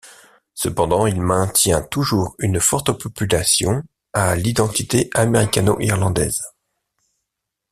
Cependant, il maintient toujours une forte population à l'identité américano-irlandaise.